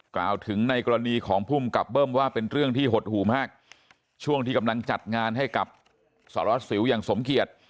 กล่าวถึงในกรณีของภูมิกับเบิ้มว่าเป็นเรื่องที่หดหู่มากช่วงที่กำลังจัดงานให้กับสารวัสสิวอย่างสมเกียจ